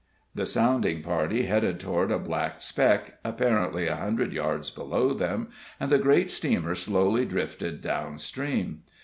The sounding party headed toward a black speck, apparently a hundred yards below them, and the great steamer slowly drifted down stream.